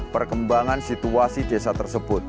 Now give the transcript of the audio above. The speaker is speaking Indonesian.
perkembangan situasi desa tersebut